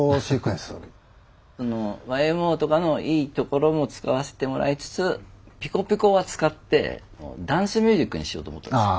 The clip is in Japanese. ＹＭＯとかのいいところも使わせてもらいつつピコピコは使ってダンスミュージックにしようと思ったんですよ。